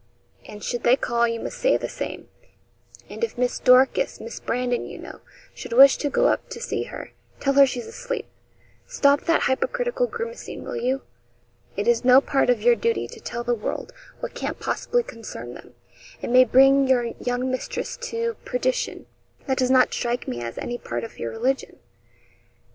And should they call, you must say the same; and if Miss Dorcas, Miss Brandon, you know should wish to go up to see her, tell her she's asleep. Stop that hypocritical grimacing, will you. It is no part of your duty to tell the world what can't possibly concern them, and may bring your young mistress to perdition. That does not strike me as any part of your religion.'